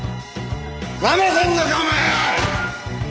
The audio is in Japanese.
なめてんのかお前！